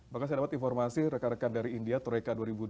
bahkan saya dapat informasi rekan rekan dari india toreka dua ribu dua puluh